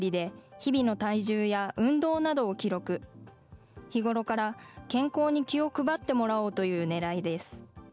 日頃から健康に気を配ってもらおうというねらいです。